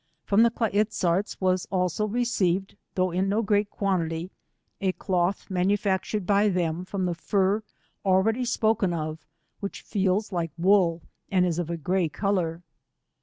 From the Kla iz zarts was also received, though in no great quantity, a cloth manufactured by them from the fur already spoken of, which feels like wool and is of a grey colour.